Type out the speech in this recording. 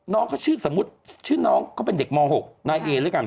น้องเขาชื่อสมมุติชื่อน้องเขาเป็นเด็กม๖นายเอด้วยกัน